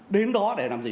đến đó để làm gì